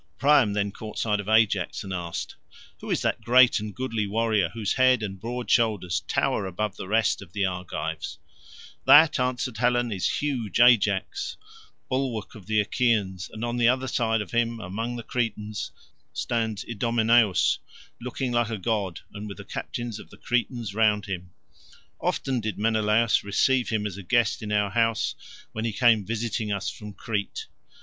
Priam then caught sight of Ajax and asked, "Who is that great and goodly warrior whose head and broad shoulders tower above the rest of the Argives?" "That," answered Helen, "is huge Ajax, bulwark of the Achaeans, and on the other side of him, among the Cretans, stands Idomeneus looking like a god, and with the captains of the Cretans round him. Often did Menelaus receive him as a guest in our house when he came visiting us from Crete.